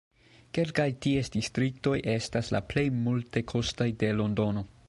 Kelkaj ties distriktoj estas el la plej multekostaj de Londono.